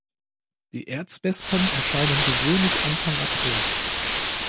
Die Erzwespen erscheinen gewöhnlich Anfang April.